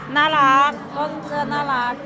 น่ารักเพราะเสื้อน่ารัก